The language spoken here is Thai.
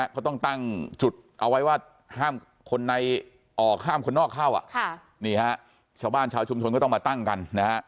เขาต้องตั้งจุดเอาไว้ว่าห้ามคนในออกห้ามคนนอกเข้านี่ฮะชาวบ้านชาวชุมชนก็ต้องมาตั้งกันนะฮะ